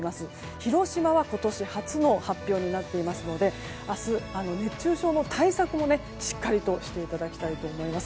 広島は今年初の発表になっていますので明日、熱中症の対策もしっかりとしていただきたいと思います。